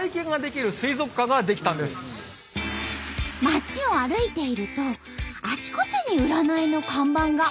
街を歩いているとあちこちに占いの看板が。